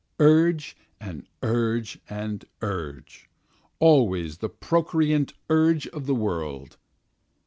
Urge and urge and urge, Always the procreant urge of the world.